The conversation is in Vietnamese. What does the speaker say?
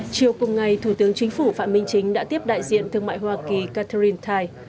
chiều cùng ngày thủ tướng chính phủ phạm minh chính đã tiếp đại diện thương mại hoa kỳ catherine